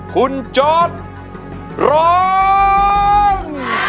คุณจอร์ดร้อง